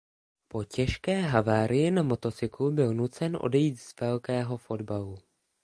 Po těžké havárii na motocyklu byl nucen odejít z velkého fotbalu.